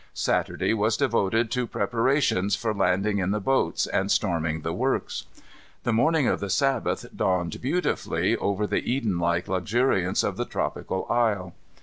Saturday was devoted to preparations for landing in the boats and storming the works. The morning of the Sabbath dawned beautifully over the Eden like luxuriance of the tropical isle.